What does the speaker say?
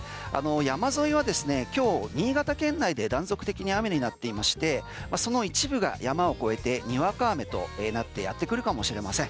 山沿いは今日、新潟県内で断続的に雨になっていましてその一部が山を越えてにわか雨となってやってくるかもしれません。